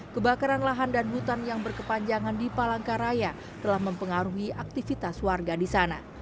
kebakaran lahan dan hutan yang berkepanjangan di palangkaraya telah mempengaruhi aktivitas warga di sana